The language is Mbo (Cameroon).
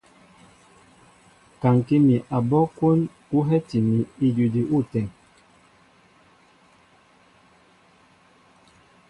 Kaŋkí mi abɔ́ kwón ú hɛ́ti mi idʉdʉ ôteŋ.